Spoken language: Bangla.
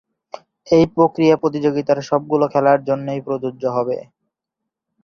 এ প্রক্রিয়া প্রতিযোগিতার সবগুলো খেলার জন্যেই প্রযোজ্য হবে।